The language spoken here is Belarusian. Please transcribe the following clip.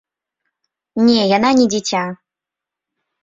Не, яна не дзіця.